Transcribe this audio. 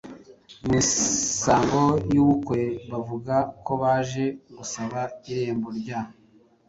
Mu misango y’ubukwe bavuga ko baje gusaba irembo rya.......